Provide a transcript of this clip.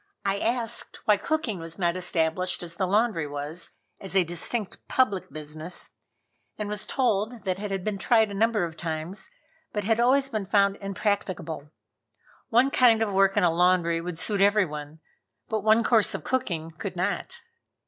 I asked why cooking was not established as the laundry was, as a distinct public business, and was told that it had been tried a number of times, but had always been found impracticable. One kind of work in a laundry would suit everyone, but one course of cooking could not.